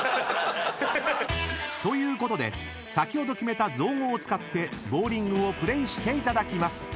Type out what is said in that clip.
［ということで先ほど決めた造語を使ってボウリングをプレイしていただきます］